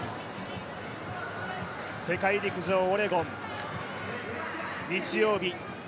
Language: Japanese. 世界陸上オレゴン日曜日。